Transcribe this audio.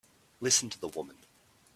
Listen to the woman!